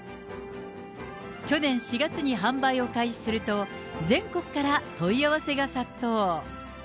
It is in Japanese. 去年４月に販売を開始すると、全国から問い合わせが殺到。